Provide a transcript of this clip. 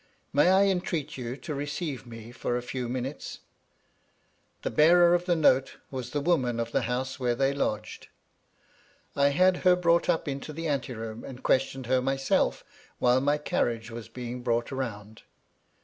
May I entreat you to receive me for a few MY LADY LUDLOW, 103 minutes 7 The bearer of the note was the woman of the house where they lodged. I had her brought up into the anteroom, and questioned her myself, while my carriage was being brought round.